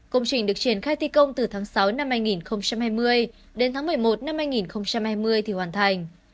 công trình được triển khai thi công từ tháng sáu năm hai nghìn hai mươi đến tháng một mươi một năm hai nghìn hai mươi thì hoàn thành